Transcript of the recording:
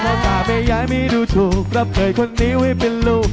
เมื่อค่าไม่ย้ายไม่ดูถูกรับเคยคนนี้ไว้เป็นลูก